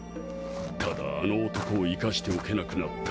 ただあの男を生かしておけなくなった。